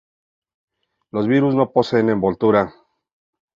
Los virus no poseen envoltura.